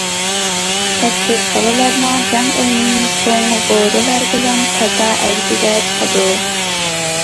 كەپسىز بالىلارنىڭ جەڭ ئويۇنى توڭ غورىلار بىلەن تازا ئەۋجىگە چىقىدۇ.